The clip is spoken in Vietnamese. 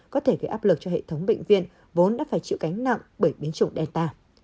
có thể gây áp lực cho hệ thống bệnh viện vốn đã phải chịu cánh nặng bởi biến chủng delta